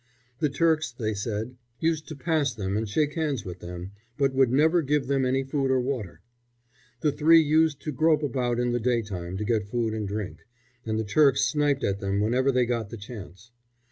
The Turks, they said, used to pass them and shake hands with them, but would never give them any food or water. The three used to grope about in the daytime to get food and drink, and the Turks sniped at them whenever they got the chance.